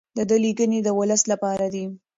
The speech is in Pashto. د ده لیکنې د ولس لپاره دي.